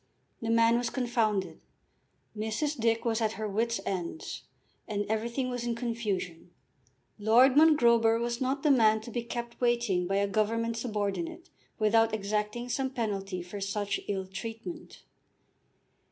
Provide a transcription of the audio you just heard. The man was confounded, Mrs. Dick was at her wits' ends, and everything was in confusion. Lord Mongrober was not the man to be kept waiting by a government subordinate without exacting some penalty for such ill treatment.